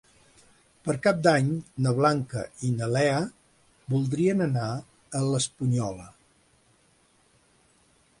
Per Cap d'Any na Blanca i na Lea voldrien anar a l'Espunyola.